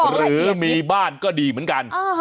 หรือมีบ้านก็ดีเหมือนกัน